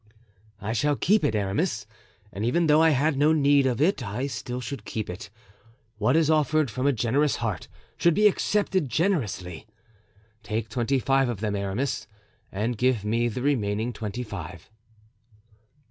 "I shall keep it, Aramis, and even though I had no need of it I still should keep it. What is offered from a generous heart should be accepted generously. Take twenty five of them, Aramis, and give me the remaining twenty five."